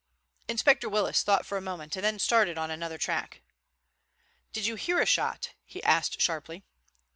Inspector Willis thought for a moment and then started on another tack. "Did you hear a shot?" he asked sharply.